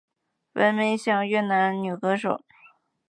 文梅香越南女歌手。